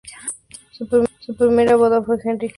Su primera boda fue con Henry Clay Dunham, del que se divorció.